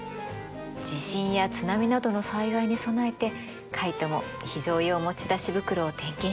地震や津波などの災害に備えてカイトも非常用持ち出し袋を点検しています。